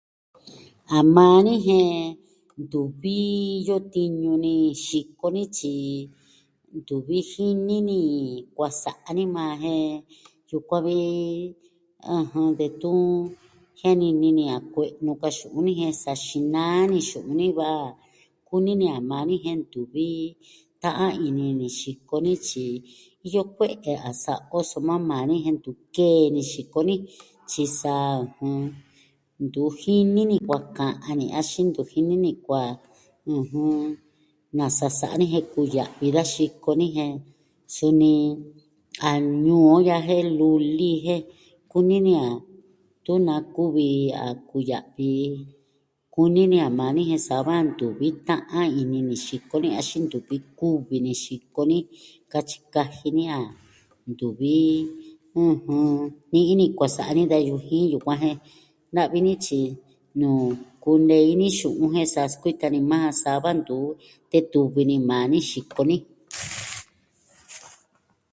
A maa ni jen ntuvi iyo tiñu ni xiko ni tyi ntuvi jini ni kuaa sa'a ni majan jen, yukuan vi, ajan detun jianini ni a kue'nu ka xu'un ni jen sa xinaa ni xu'un ni va kuni ni a maa ni jen ntuvi ta'an ini ni xiko ni tyi iyo kue'e a sa'a o soma maa ni jen ntu ke'en ni xiko ni tyi sa ntu jini ni kuaa ka'an ni axin ntu jini ni kuaa, ɨjɨn, nasa sa'a ni jen kuya'vi da xiko ni jen, suni a ñuu on ya'a jen luli jen kuni ni a tun naa kuvi a kuya'vi, kunini a maa ni jen sa va ntuvi ta'an ini ni xiko ni axin ntuvi kuvi ni xiko ni katyi kaji ni a ntuvi, ɨjɨn, ni'i ni kuaa sa'a ni da yujin yukuan jen navi ni tyi nuu kunee ini xu'un jen sa skuita ni majan sa va ntu tetuvi ni maa ni.